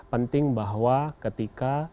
penting bahwa ketika